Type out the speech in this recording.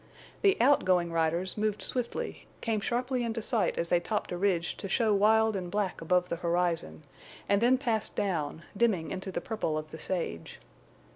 The outgoing riders moved swiftly, came sharply into sight as they topped a ridge to show wild and black above the horizon, and then passed down, dimming into the purple of the sage.